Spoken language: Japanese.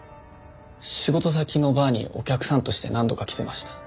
仕事先のバーにお客さんとして何度か来てました。